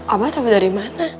abah tau dari mana